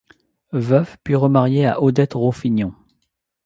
Veuf puis re-marié à Odette Roffignon.